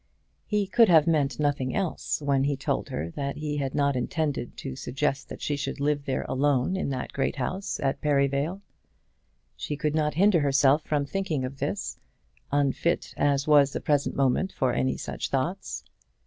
He could have meant nothing else when he told her that he had not intended to suggest that she should live there alone in that great house at Perivale. She could not hinder herself from thinking of this, unfit as was the present moment for any such thoughts.